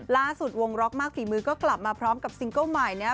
ล่าสุดวงล็อกมากฝีมือก็กลับมาพร้อมกับซิงเกิ้ลใหม่นะครับ